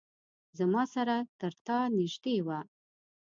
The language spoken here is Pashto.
زما سره ترتا نیژدې وه